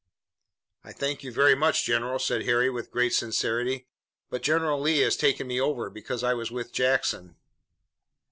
"I thank you very much, General," said Harry with great sincerity, "but General Lee has taken me over, because I was with Jackson."